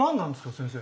先生。